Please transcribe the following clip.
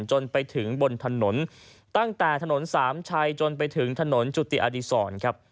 จนไปถึงบนถนนตั้งแต่ถนนสามชัยจนไปถึงถนนจุติอดีศรครับ